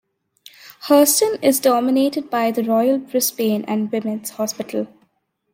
Herston is dominated by the Royal Brisbane and Women's Hospital.